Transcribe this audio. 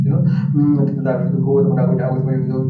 তার ফুফাতো বোন আগস্ট মাসে মৃত্যুবরণ করে।